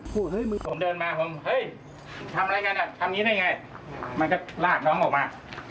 ผมเดินมาผมเฮ้ยทำอะไรกันอ่ะทำนี้ได้ไงมันก็ลากน้องออกมา